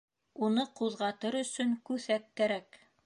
Уны ҡуҙғатыр өсөн күҫәк кәрәк.